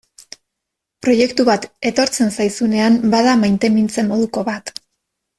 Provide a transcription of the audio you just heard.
Proiektu bat etortzen zaizunean bada maitemintze moduko bat.